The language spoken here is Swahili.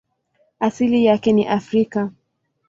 Asili yake ni Afrika.